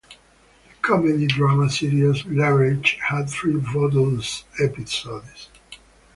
The comedy-drama series "Leverage" had three bottle episodes.